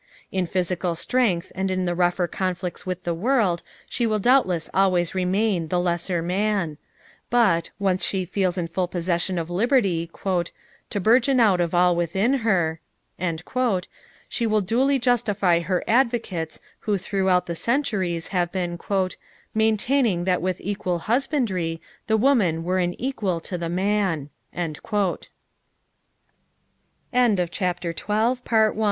In physical strength and in the rougher conflicts with the world she will doubtless always remain "the lesser man," but, once she feels in full possession of liberty "To burgeon out of all Within her," she will duly justify her advocates who throughout the centuries have been "Maintaining that with equal husbandry The woman were an equal to the man." Not the least of the contributing factors to woman's intellectu